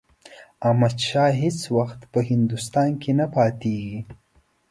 احمدشاه هیڅ وخت په هندوستان کې نه پاتېږي.